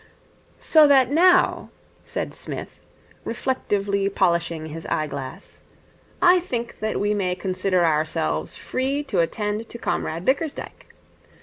'So that now,' said Psmith, reflectively polishing his eye glass, 'I think that we may consider ourselves free to attend to Comrade Bickersdyke.